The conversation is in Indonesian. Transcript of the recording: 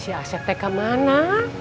si asetnya kemana